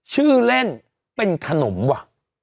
ชื่อเล่นเป็นขนมว่ะ